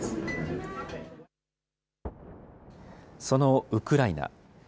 そのウクライナ。